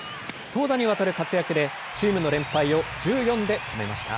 投打にわたる活躍でチームの連敗を１４で止めました。